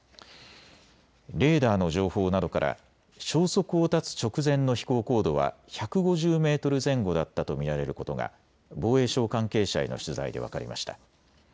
レーダーの情報などから消息を絶つ直前の飛行高度は１５０メートル前後だったと見られることが防衛省関係者への取材で分かりました。